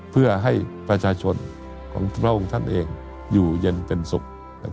เพื่อให้ประชาชนของพระองค์ท่านเองอยู่เย็นเป็นสุข